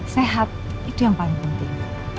sehat itu yang paling penting